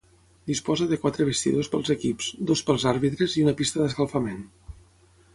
Disposa de quatre vestidors pels equips, dos pels àrbitres i una pista d'escalfament.